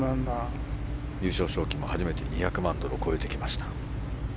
優勝賞金も初めて２００万ドルを超えてきました。